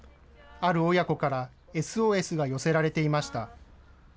ある親子からＳＯＳが寄せられていました。